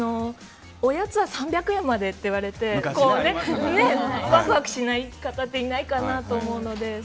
おやつは３００円までって言われてワクワクしない方っていないかなと思うので。